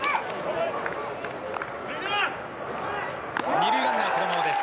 ２塁ランナーそのままです